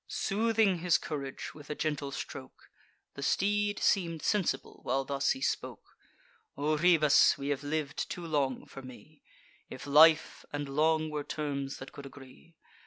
Soothing his courage with a gentle stroke, The steed seem'd sensible, while thus he spoke: "O Rhoebus, we have liv'd too long for me— If life and long were terms that could agree!